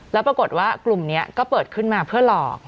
แล้วปรากฏว่ากลุ่มนี้ก็เปิดขึ้นมาเพื่อหลอก